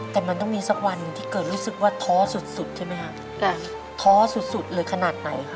แต่มันต้องมีสักวันที่เกิดรู้สึกว่าท้อสุดใช่ไหมค่ะ